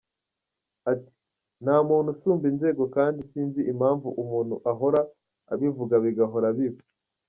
Ati “Nta muntu usumba inzego kandi sinzi impamvu umuntu ahora abivuga bigahora biba.